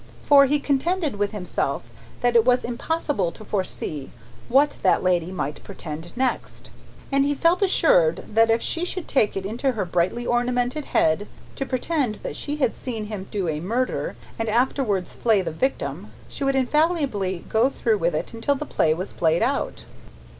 For, he contended with himself that it was impossible to foresee what that lady might pretend next; and he felt assured that if she should take it into her brightly ornamented head to pretend that she had seen him do a murder and afterwards flay the victim, she would infallibly go through with it until the play was played out.